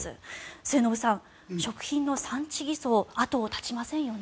末延さん、食品の産地偽装後を絶ちませんよね。